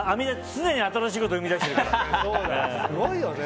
常に新しいことを生み出してるからすごいよね。